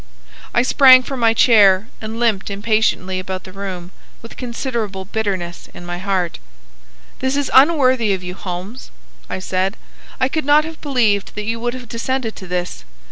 I sprang from my chair and limped impatiently about the room with considerable bitterness in my heart. "This is unworthy of you, Holmes," I said. "I could not have believed that you would have descended to this.